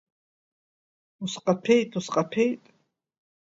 Усҟаҭәеит, усҟаҭәеит!